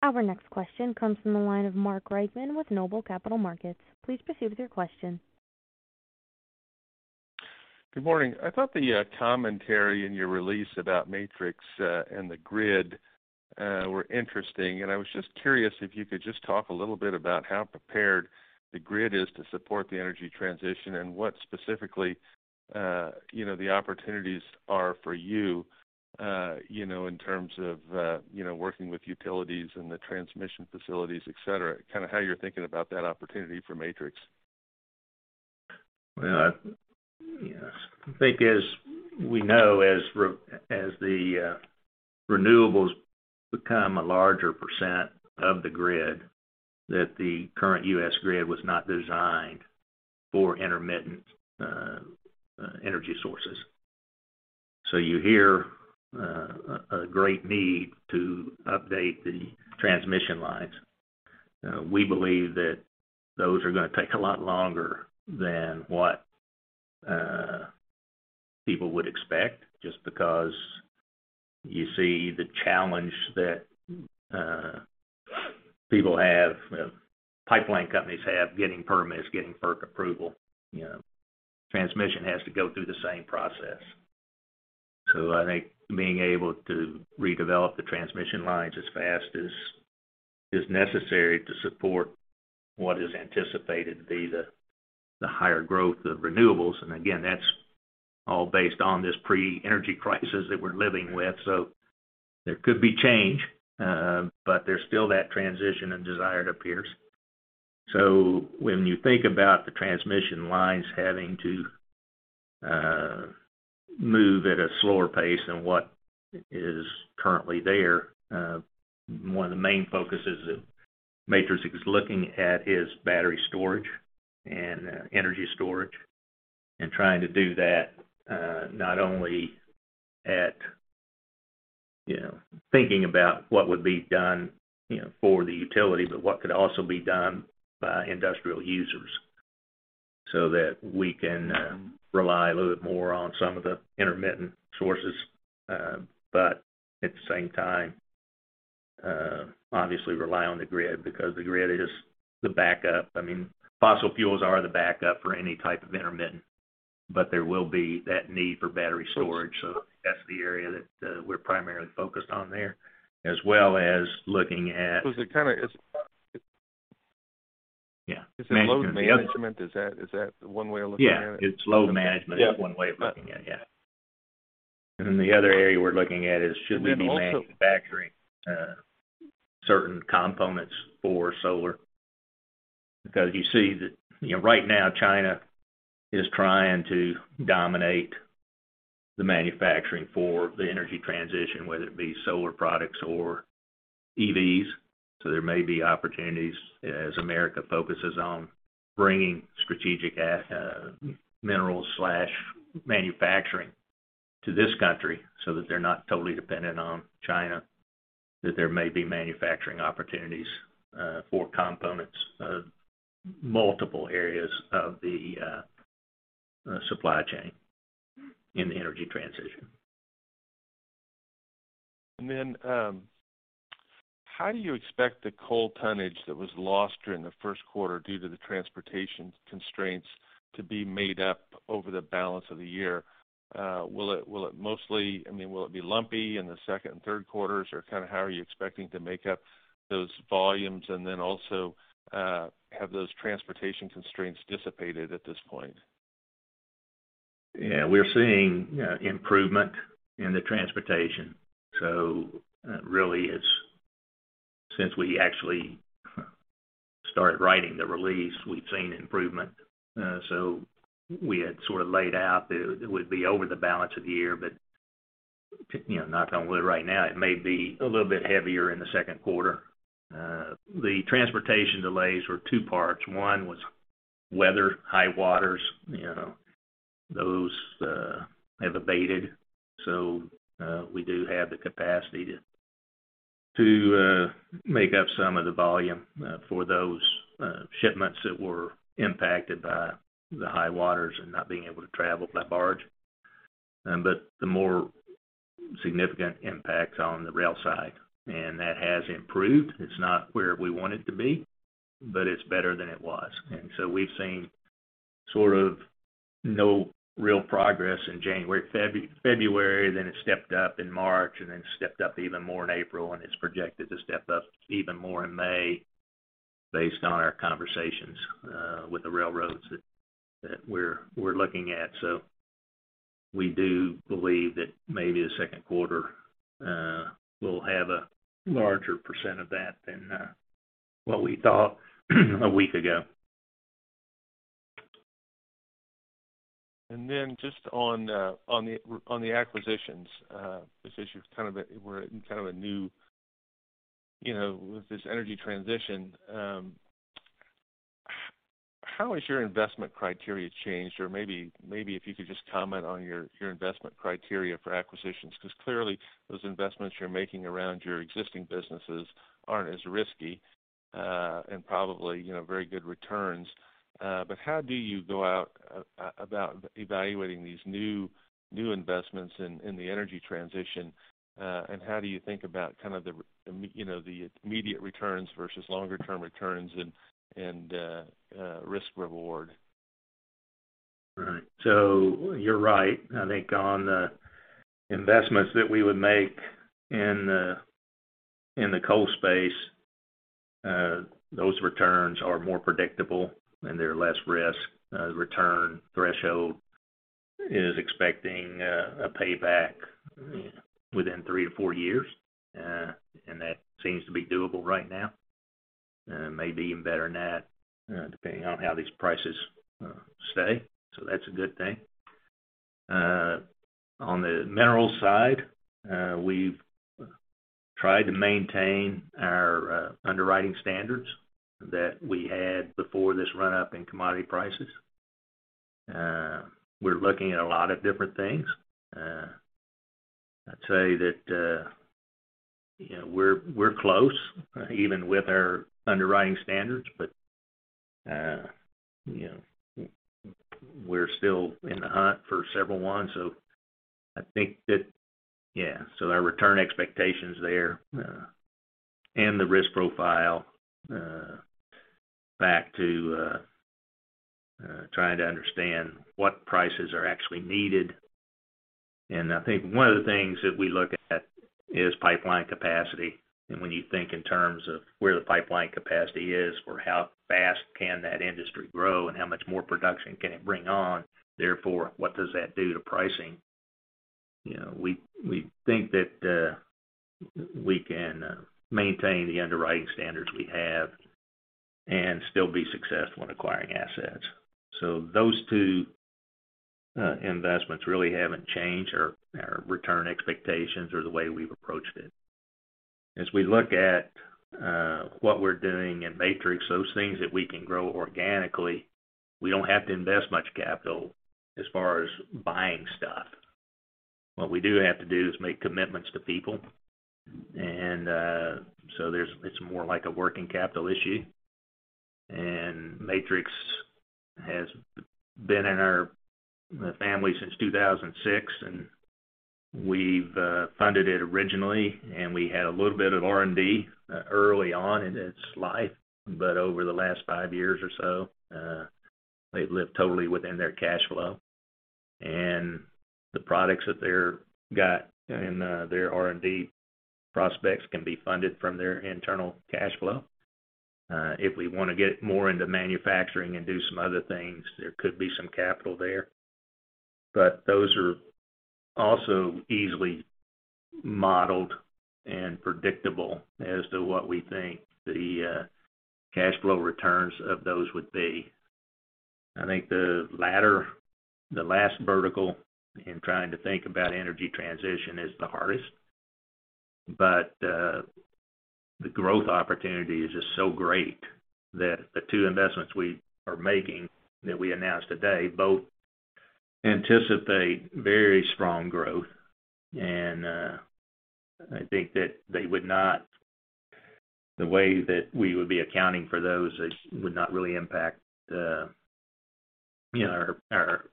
Speaker 1: Our next question comes from the line of Mark Reichman with Noble Capital Markets. Please proceed with your question.
Speaker 5: Good morning. I thought the commentary in your release about Matrix and the grid were interesting. I was just curious if you could just talk a little bit about how prepared the grid is to support the energy transition and what specifically, you know, the opportunities are for you know, in terms of, you know, working with utilities and the transmission facilities, et cetera. Kind of how you're thinking about that opportunity for Matrix.
Speaker 3: Yes. I think as we know, as the renewables become a larger percent of the grid, that the current U.S. grid was not designed for intermittent energy sources. You hear a great need to update the transmission lines. We believe that those are gonna take a lot longer than what people would expect just because you see the challenge that people have, you know, pipeline companies have getting permits, getting FERC approval. You know, transmission has to go through the same process. I think being able to redevelop the transmission lines as fast as is necessary to support what is anticipated to be the higher growth of renewables, and again, that's all based on this pre-energy crisis that we're living with. There could be change, but there's still that transition and desire to increase. When you think about the transmission lines having to move at a slower pace than what is currently there, one of the main focuses of Matrix is battery storage and energy storage, and trying to do that not only at, you know, thinking about what would be done, you know, for the utility, but what could also be done by industrial users so that we can rely a little bit more on some of the intermittent sources. But at the same time, obviously rely on the grid because the grid is the backup. I mean, fossil fuels are the backup for any type of intermittent, but there will be that need for battery storage. That's the area that we're primarily focused on there, as well as looking at-
Speaker 5: So is it kind of,
Speaker 3: Yeah.
Speaker 5: Is it load management? Is that, is that one way of looking at it?
Speaker 3: Yeah. It's load management is one way of looking at it, yeah. Then the other area we're looking at is should we be manufacturing certain components for solar? Because you see that, you know, right now China is trying to dominate the manufacturing for the energy transition, whether it be solar products or EVs. There may be opportunities as America focuses on bringing strategic minerals/manufacturing to this country so that they're not totally dependent on China, that there may be manufacturing opportunities for components of multiple areas of the supply chain in the energy transition.
Speaker 5: How do you expect the coal tonnage that was lost during the first quarter due to the transportation constraints to be made up over the balance of the year? I mean, will it be lumpy in the second and third quarters? Or kind of how are you expecting to make up those volumes? Have those transportation constraints dissipated at this point?
Speaker 3: Yeah. We're seeing improvement in the transportation. Really it's since we actually started writing the release, we've seen improvement. We had sort of laid out it would be over the balance of the year. You know, knock on wood right now it may be a little bit heavier in the second quarter. The transportation delays were two parts. One was weather, high waters, you know. Those have abated. We do have the capacity to make up some of the volume for those shipments that were impacted by the high waters and not being able to travel by barge. The more significant impact's on the rail side, and that has improved. It's not where we want it to be, but it's better than it was. We've seen sort of no real progress in January, February, then it stepped up in March, and then stepped up even more in April, and it's projected to step up even more in May based on our conversations with the railroads that we're looking at. We do believe that maybe the second quarter will have a larger % of that than what we thought a week ago.
Speaker 5: Just on the acquisitions, this is kind of a, we're in kind of a new, you know, with this energy transition, how has your investment criteria changed? Or maybe if you could just comment on your investment criteria for acquisitions, because clearly those investments you're making around your existing businesses aren't as risky and probably, you know, very good returns. But how do you go about evaluating these new investments in the energy transition? And how do you think about kind of the, you know, the immediate returns versus longer term returns and risk reward?
Speaker 3: Right. You're right. I think on the investments that we would make in the coal space, those returns are more predictable and they're less risk. Return threshold is expecting a payback within three-four years, and that seems to be doable right now. Maybe even better than that, depending on how these prices stay. That's a good thing. On the minerals side, we've tried to maintain our underwriting standards that we had before this run-up in commodity prices. We're looking at a lot of different things. I'd say that, you know, we're close even with our underwriting standards, but you know, we're still in the hunt for several ones. I think that, yeah, our return expectations there and the risk profile back to trying to understand what prices are actually needed. I think one of the things that we look at is pipeline capacity. When you think in terms of where the pipeline capacity is or how fast can that industry grow and how much more production can it bring on, therefore, what does that do to pricing? You know, we think that we can maintain the underwriting standards we have and still be successful in acquiring assets. Those two investments really haven't changed our return expectations or the way we've approached it. As we look at what we're doing in Matrix, those things that we can grow organically, we don't have to invest much capital as far as buying stuff. What we do have to do is make commitments to people, and it's more like a working capital issue. Matrix has been in our family since 2006, and we've funded it originally, and we had a little bit of R&D early on in its life. Over the last five years or so, they've lived totally within their cash flow. The products that they've got in their R&D prospects can be funded from their internal cash flow. If we wanna get more into manufacturing and do some other things, there could be some capital there. Those are also easily modeled and predictable as to what we think the cash flow returns of those would be. I think the latter, the last vertical in trying to think about energy transition is the hardest. The growth opportunity is just so great that the two investments we are making that we announced today both anticipate very strong growth. I think that they would not the way that we would be accounting for those, it would not really impact, you know, our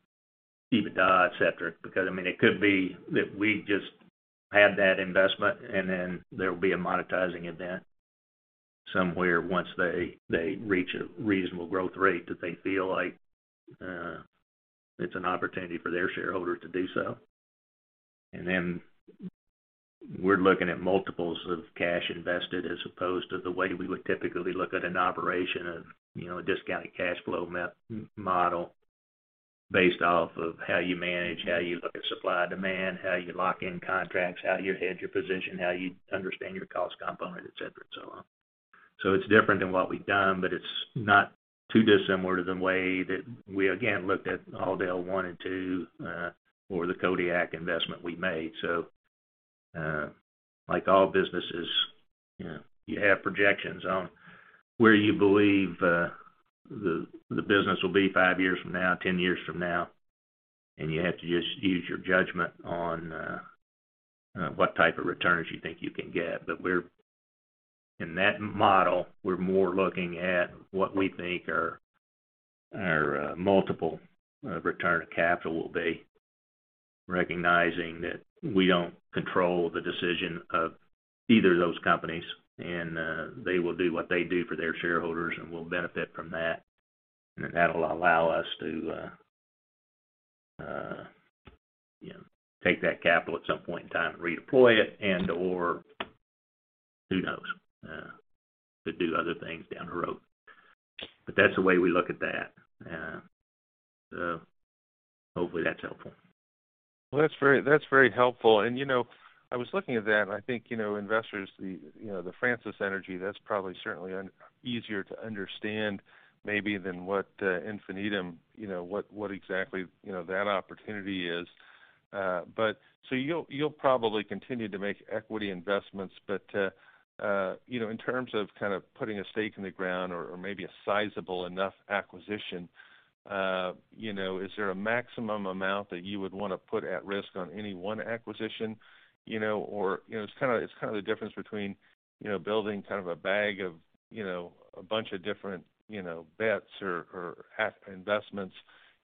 Speaker 3: EBITDA, et cetera. Because I mean, it could be that we just had that investment, and then there will be a monetizing event somewhere once they reach a reasonable growth rate that they feel like it's an opportunity for their shareholders to do so. We're looking at multiples of cash invested as opposed to the way we would typically look at an operation of, you know, a discounted cash flow model based off of how you manage, how you look at supply demand, how you lock in contracts, how you hedge your position, how you understand your cost component, et cetera, and so on. It's different than what we've done, but it's not too dissimilar to the way that we again looked at AllDale one and two, or the Kodiak investment we made. Like all businesses, you know, you have projections on where you believe, the business will be five years from now, 10 years from now, and you have to just use your judgment on, what type of returns you think you can get. in that model, we're more looking at what we think our multiple of return of capital will be, recognizing that we don't control the decision of either of those companies, and they will do what they do for their shareholders, and we'll benefit from that. Then that'll allow us to, you know, take that capital at some point in time and redeploy it and/or who knows, to do other things down the road. That's the way we look at that. Hopefully that's helpful.
Speaker 5: Well, that's very helpful. You know, I was looking at that, and I think, you know, investors, you know, the Francis Energy, that's probably certainly easier to understand maybe than what, Infinitum, you know, what exactly, you know, that opportunity is. You'll probably continue to make equity investments, but, you know, in terms of kind of putting a stake in the ground or maybe a sizable enough acquisition, you know, is there a maximum amount that you would wanna put at risk on any one acquisition? You know, it's kind of the difference between, you know, building kind of a bag of, you know, a bunch of different, you know, bets or investments,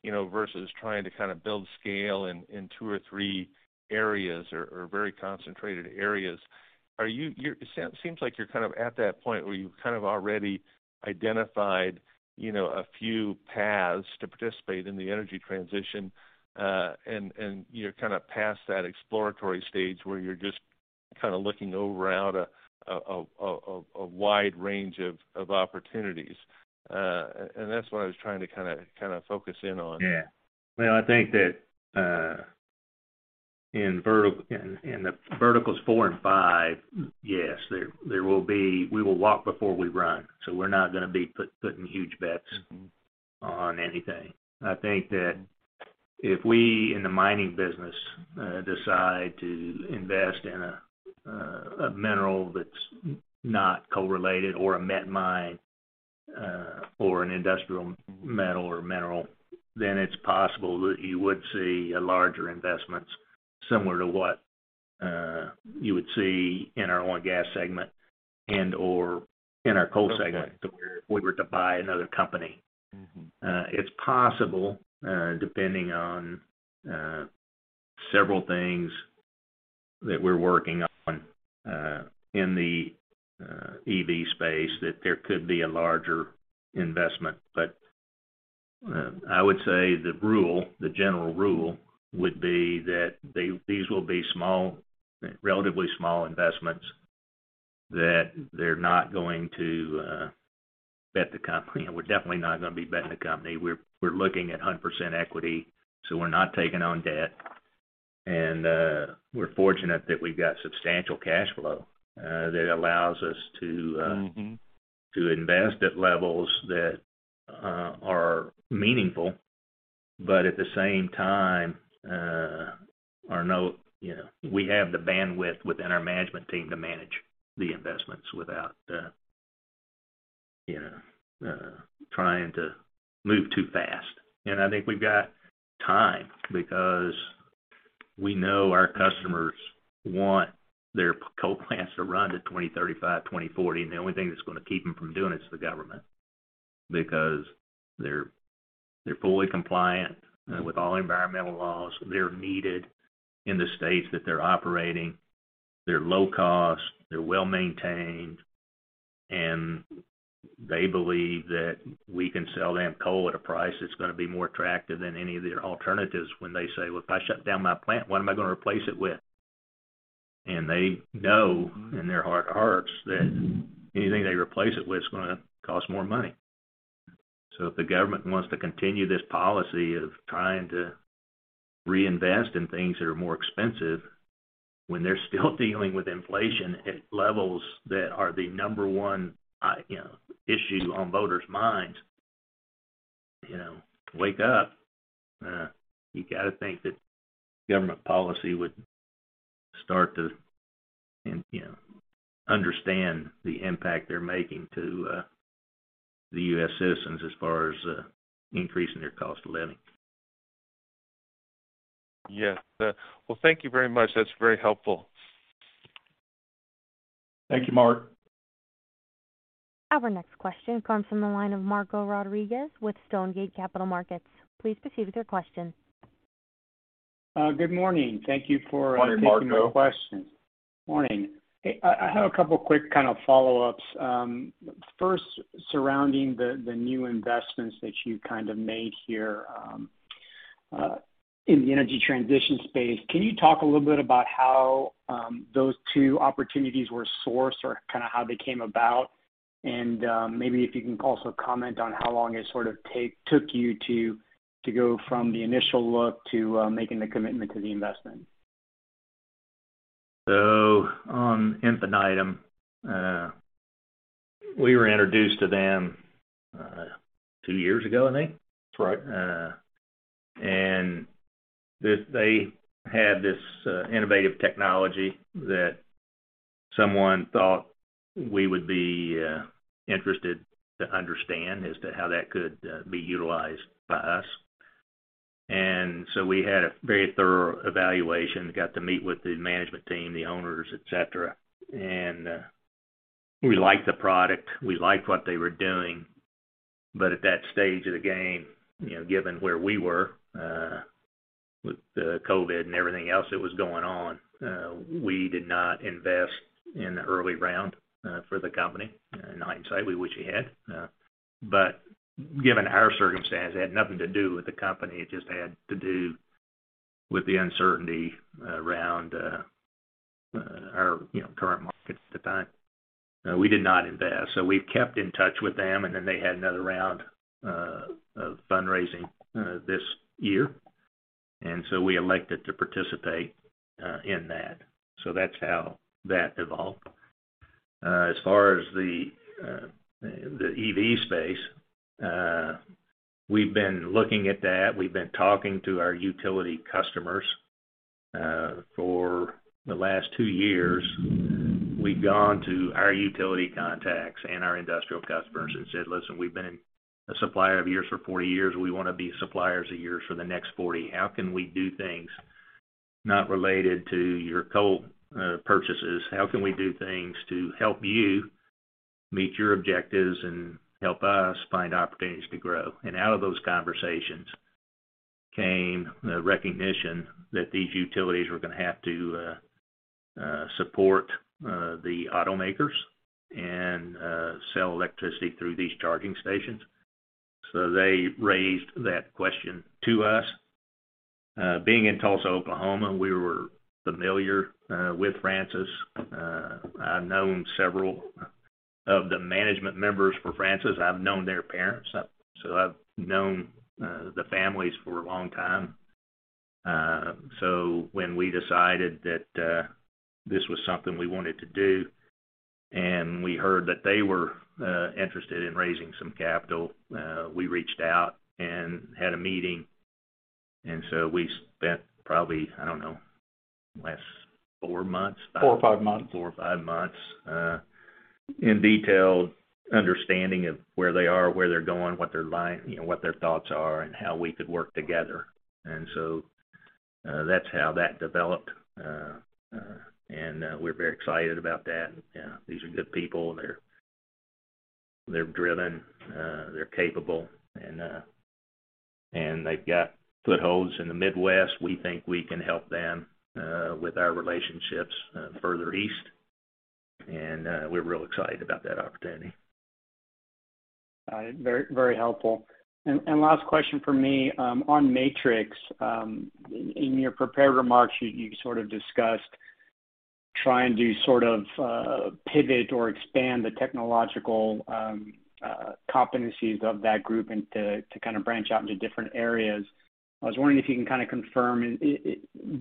Speaker 5: you know, versus trying to kind of build scale in two or three areas or very concentrated areas. It seems like you're kind of at that point where you've kind of already identified, you know, a few paths to participate in the energy transition, and you're kind of past that exploratory stage where you're just kind of looking over a wide range of opportunities. And that's what I was trying to kind of focus in on.
Speaker 3: Yeah. Well, I think that in the verticals four and five, yes, there will be. We will walk before we run, so we're not gonna be putting huge bets.
Speaker 5: Mm-hmm
Speaker 3: On anything. I think that if we in the mining business decide to invest in a a mineral that's not correlated or a met mine or an industrial metal or mineral, then it's possible that you would see larger investments similar to what you would see in our oil and gas segment and/or in our coal segment.
Speaker 5: Okay
Speaker 3: If we were to buy another company.
Speaker 5: Mm-hmm.
Speaker 3: It's possible, depending on several things that we're working on in the EV space that there could be a larger investment. I would say the general rule would be that these will be small, relatively small investments that they're not going to bet the company. We're definitely not gonna be betting the company. We're looking at 100% equity, so we're not taking on debt. We're fortunate that we've got substantial cash flow that allows us to,
Speaker 5: Mm-hmm
Speaker 3: To invest at levels that are meaningful. But at the same time, you know, we have the bandwidth within our management team to manage the investments without you know, trying to move too fast. I think we've got time because we know our customers want their coal plants to run to 2035, 2040, and the only thing that's gonna keep them from doing it is the government. Because they're fully compliant with all environmental laws. They're needed in the states that they're operating. They're low cost. They're well-maintained. They believe that we can sell them coal at a price that's gonna be more attractive than any of their alternatives when they say, "Well, if I shut down my plant, what am I gonna replace it with?" They know in their heart of hearts that anything they replace it with is gonna cost more money. If the government wants to continue this policy of trying to reinvest in things that are more expensive when they're still dealing with inflation at levels that are the number one, you know, issue on voters' minds, you know, wake up. You got to think that government policy would start to, you know, understand the impact they're making to the U.S. citizens as far as increasing their cost of living.
Speaker 5: Yes. Well, thank you very much. That's very helpful.
Speaker 2: Thank you, Mark.
Speaker 1: Our next question comes from the line of Marco Rodriguez with Stonegate Capital Markets. Please proceed with your question.
Speaker 6: Good morning. Thank you for-
Speaker 3: Morning, Marco.
Speaker 6: Taking my question. Morning. I have a couple quick kind of follow-ups. First, surrounding the new investments that you kind of made here in the energy transition space. Can you talk a little bit about how those two opportunities were sourced or kind of how they came about? Maybe if you can also comment on how long it sort of took you to go from the initial look to making the commitment to the investment.
Speaker 3: On Infinitum, we were introduced to them, two years ago, I think.
Speaker 6: That's right.
Speaker 3: They had this innovative technology that someone thought we would be interested to understand as to how that could be utilized by us. We had a very thorough evaluation, got to meet with the management team, the owners, et cetera. We liked the product, we liked what they were doing. At that stage of the game, you know, given where we were with the COVID and everything else that was going on, we did not invest in the early round for the company. In hindsight, we wish we had. Given our circumstance, it had nothing to do with the company. It just had to do with the uncertainty around our you know current markets at the time. We did not invest. We've kept in touch with them, and then they had another round of fundraising this year. We elected to participate in that. That's how that evolved. As far as the EV space, we've been looking at that. We've been talking to our utility customers for the last two years. We've gone to our utility contacts and our industrial customers and said, "Listen, we've been a supplier of yours for 40 years. We wanna be suppliers of yours for the next 40. How can we do things not related to your coal purchases? How can we do things to help you meet your objectives and help us find opportunities to grow?" Out of those conversations came the recognition that these utilities were gonna have to support the automakers and sell electricity through these charging stations. They raised that question to us. Being in Tulsa, Oklahoma, we were familiar with Francis Energy. I've known several of the management members for Francis Energy. I've known their parents, so I've known the families for a long time. When we decided that this was something we wanted to do and we heard that they were interested in raising some capital, we reached out and had a meeting, and we spent probably, I don't know, the last four months.
Speaker 2: Four or five months.
Speaker 3: Four or five months in detailed understanding of where they are, where they're going, what they're like, you know, what their thoughts are, and how we could work together. That's how that developed. We're very excited about that. You know, these are good people. They're driven, they're capable, and they've got footholds in the Midwest. We think we can help them with our relationships further east. We're real excited about that opportunity.
Speaker 6: All right. Very, very helpful. Last question from me. On Matrix, in your prepared remarks, you sort of discussed trying to sort of pivot or expand the technological competencies of that group and to kind of branch out into different areas. I was wondering if you can kind of confirm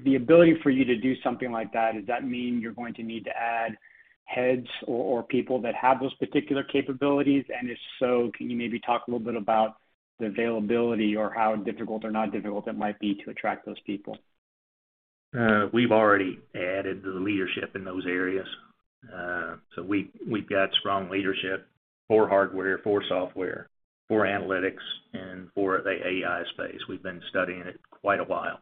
Speaker 6: the ability for you to do something like that, does that mean you're going to need to add heads or people that have those particular capabilities? If so, can you maybe talk a little bit about the availability or how difficult or not difficult it might be to attract those people?
Speaker 3: We've already added the leadership in those areas. We've got strong leadership for hardware, for software, for analytics, and for the AI space. We've been studying it quite a while.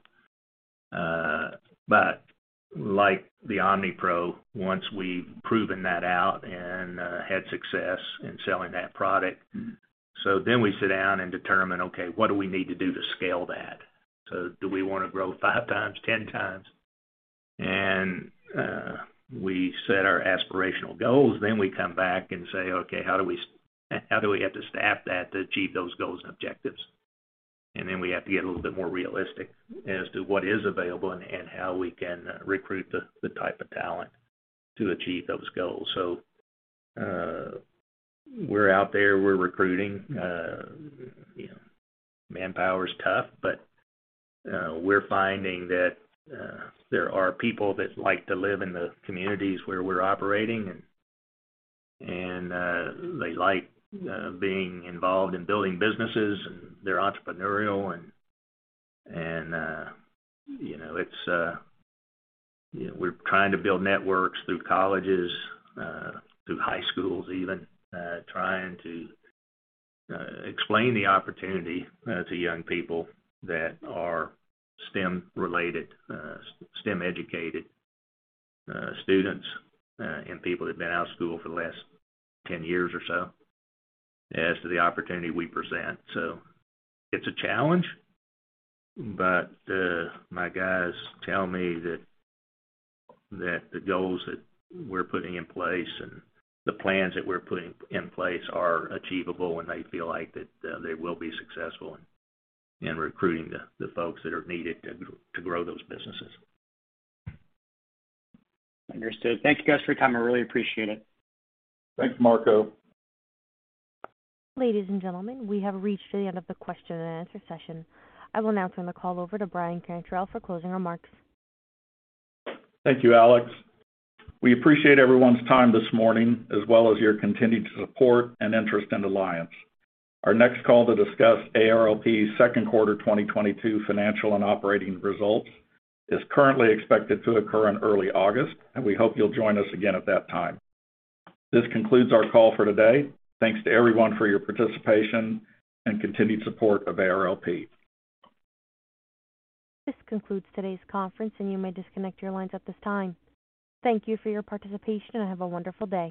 Speaker 3: Like the OmniPro, once we've proven that out and had success in selling that product, we sit down and determine, okay, what do we need to do to scale that? Do we wanna grow 5x, 10x? We set our aspirational goals, we come back and say, okay, how do we have to staff that to achieve those goals and objectives? We have to get a little bit more realistic as to what is available and how we can recruit the type of talent to achieve those goals. We're out there, we're recruiting. You know, manpower is tough, but we're finding that there are people that like to live in the communities where we're operating, and you know. You know, we're trying to build networks through colleges, through high schools even, trying to explain the opportunity to young people that are STEM related, S-STEM educated students, and people that have been out of school for the last 10 years or so as to the opportunity we present. It's a challenge, but my guys tell me that the goals that we're putting in place and the plans that we're putting in place are achievable, and they feel like that they will be successful in recruiting the folks that are needed to grow those businesses.
Speaker 6: Understood. Thank you, guys, for your time. I really appreciate it.
Speaker 2: Thanks, Marco.
Speaker 1: Ladies and gentlemen, we have reached the end of the question and answer session. I will now turn the call over to Brian Cantrell for closing remarks.
Speaker 2: Thank you, Alex. We appreciate everyone's time this morning, as well as your continued support and interest in Alliance. Our next call to discuss ARLP's second quarter 2022 financial and operating results is currently expected to occur in early August, and we hope you'll join us again at that time. This concludes our call for today. Thanks to everyone for your participation and continued support of ARLP.
Speaker 1: This concludes today's conference, and you may disconnect your lines at this time. Thank you for your participation, and have a wonderful day.